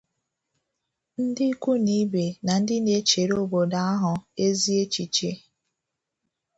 ndị ikwu na ibè na ndị na-echere obodo ahọ ezi echiche